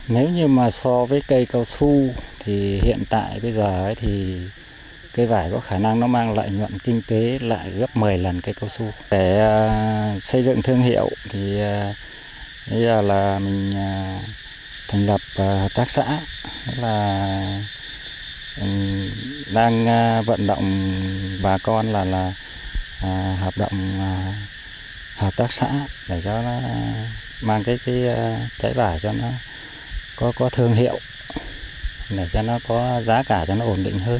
nếu như mà so với cây cao su thì hiện tại bây giờ thì cây vải có khả năng nó mang lại nhuận kinh tế lại gấp một mươi lần cây cao su